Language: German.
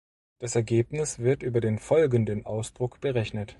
Das Ergebnis wird über den folgenden Ausdruck berechnet.